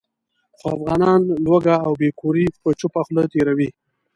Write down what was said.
خو افغانان لوږه او بې کوري په چوپه خوله تېروي.